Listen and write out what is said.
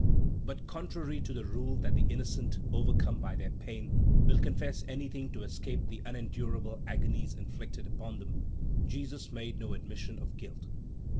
But, contrary to the rule that the innocent, overcome by their pain, will confess anything to escape the unendurable agonies inflicted upon them, Jesus made no admission of guilt.